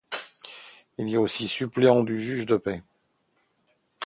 Il est aussi suppléant du juge de paix.